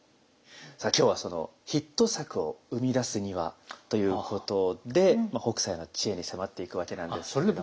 さあ今日はそのヒット作を生み出すにはということで北斎の知恵に迫っていくわけなんですけれども。